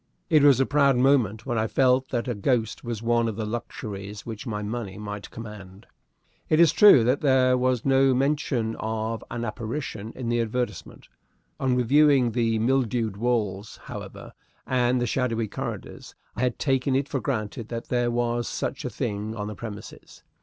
It was a proud moment when I felt that a ghost was one of the luxuries which my money might command. It is true that there was no mention of an apparition in the advertisement. On reviewing the mildewed walls, however, and the shadowy corridors, I had taken it for granted that there was such a thing on the premises.